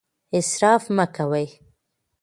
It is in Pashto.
اسراف مه کوئ.